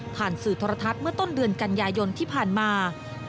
สื่อโทรทัศน์เมื่อต้นเดือนกันยายนที่ผ่านมา